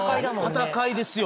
戦いです。